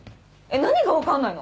何がわかんないの？